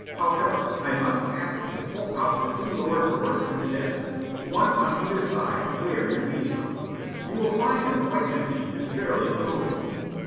However, I must ask you to pull out the two lower drawers in the desk, one on either side of where your knees go. You will find them quite empty and fairly commodious.